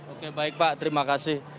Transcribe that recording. oke baik pak terima kasih